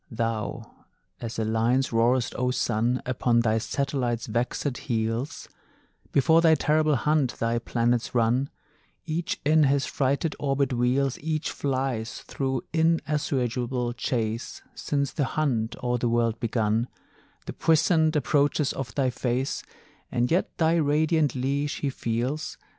Thou as a lion roar'st, O Sun, Upon thy satellites' vexèd heels; Before thy terrible hunt thy planets run; Each in his frighted orbit wheels, Each flies through inassuageable chase, Since the hunt o' the world begun, The puissant approaches of thy face, And yet thy radiant leash he feels.